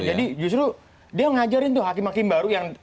jadi justru dia ngajarin tuh hakim hakim baru